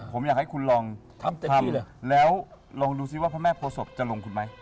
ผมอยากให้คุณลองทำเต็มที่เลยแล้วลองดูซิว่าพระแม่โพศพจะลงคุณไหม